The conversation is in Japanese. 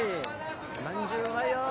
まんじゅううまいよ！